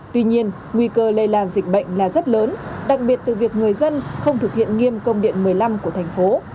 tuy nhiên nguy cơ lây lan dịch bệnh là rất lớn đặc biệt từ việc người dân không thực hiện nghiêm công điện một mươi năm của thành phố